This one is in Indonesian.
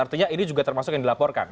artinya ini juga termasuk yang dilaporkan